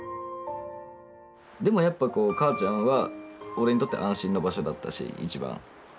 でもやっぱこう母ちゃんは俺にとって安心な場所だったし一番。